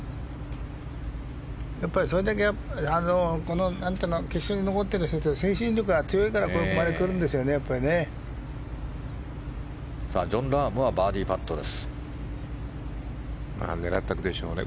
それだけこの決勝に残ってる選手は精神力が強いからここまで来るんですよね。